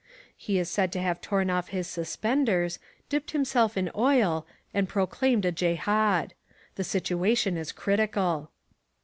He is said to have torn off his suspenders, dipped himself in oil and proclaimed a Jehad. The situation is critical."